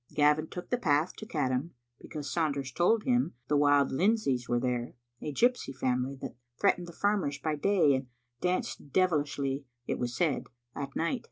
Gavin took the path to Caddam, because Sanders told him the Wild Lindsays were there, a gypsy family that threatened the farmers by day and danced devilishly, it was said, at night.